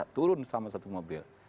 turun sama satu mobil